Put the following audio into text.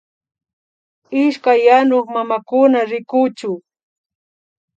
Ishkay yanuk mamakuna rikuchu